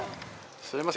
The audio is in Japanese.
すみません。